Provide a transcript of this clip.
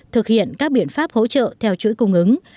thực hiện các biện pháp hỗ trợ theo chuỗi cung ứng